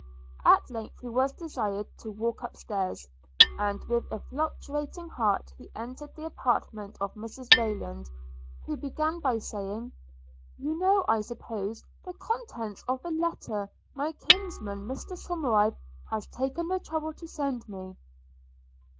At length he was desired to walk up stairs; and, with a fluttering heart, he entered the apartment of Mrs Rayland, who began by saying – 'You know, I suppose, the contents of the letter my kinsman Mr Somerive has taken the trouble to send me?'